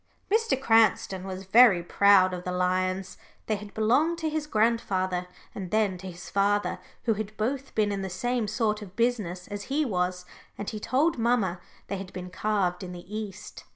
Mr. Cranston was very proud of the lions. They had belonged to his grandfather and then to his father, who had both been in the same sort of business as he was, and he told mamma they had been carved in "the East."